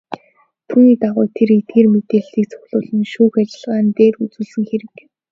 Түүний дагуу тэр эдгээр мэдээллийг цуглуулан шүүх ажиллагаан дээр үзүүлсэн хэрэг.